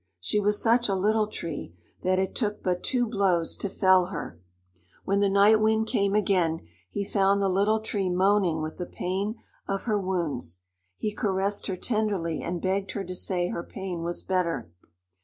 She was such a little tree that it took but two blows to fell her. When the Night Wind came again, he found the Little Tree moaning with the pain of her wounds. He caressed her tenderly and begged her to say her pain was better.